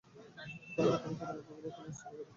হতে পারে কোনও পুরানো দুর্গ বা কোনও অস্ত্রাগারে।